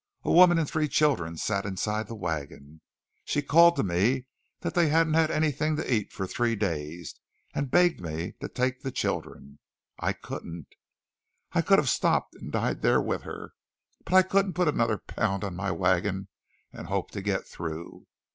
A woman and three children sat inside the wagon. She called to me that they hadn't had anything to eat for three days, and begged me to take the children. I couldn't. I could have stopped and died there with her, but I couldn't put another pound on my wagon and hope to get through.